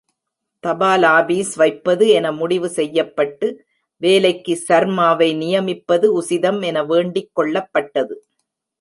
தபாலாபீஸ் வைப்பது என முடிவு செய்யப்பட்டு, வேலைக்கு சர்மாவை நியமிப்பது உசிதம் என வேண்டிக் கொள்ளப்பட்டது.